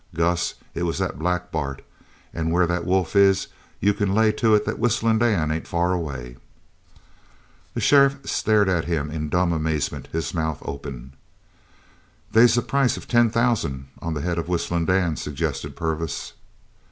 Gus, it was Black Bart, an' where that wolf is you c'n lay to it that Whistlin' Dan ain't far away!" The sheriff stared at him in dumb amazement, his mouth open. "They's a price of ten thousand on the head of Whistlin' Dan," suggested Purvis.